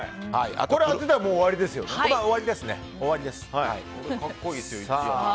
これ当てたら終わりですよね。